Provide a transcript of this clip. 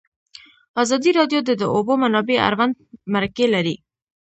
ازادي راډیو د د اوبو منابع اړوند مرکې کړي.